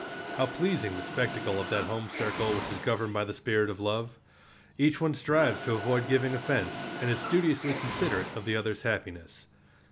How pleasing the spectacle of that home circle which is governed by the spirit of love! Each one strives to avoid giving offense, and is studiously considerate of the others' happiness.